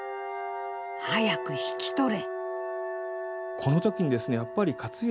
早く引き取れ」。